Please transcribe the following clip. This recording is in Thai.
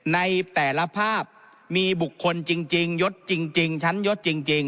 ในแต่ละภาพมีบุคคลจริงยศจริงชั้นยศจริง